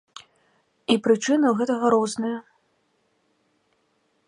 І прычыны ў гэтага розныя.